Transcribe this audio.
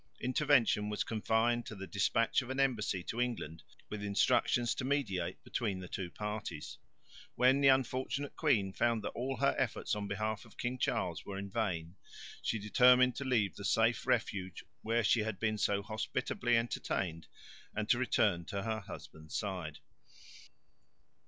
Intervention was confined to the despatch of an embassy to England with instructions to mediate between the two parties. When the unfortunate queen found that all her efforts on behalf of King Charles were in vain, she determined to leave the safe refuge where she had been so hospitably entertained and to return to her husband's side.